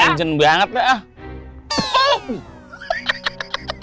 gangen banget mbak